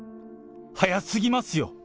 早すぎますよ！